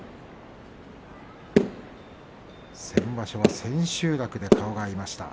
先場所は千秋楽で顔が合いました。